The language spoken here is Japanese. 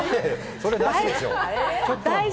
それなしでしょ。